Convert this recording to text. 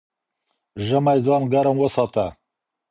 ژمی ځان ګرم وساته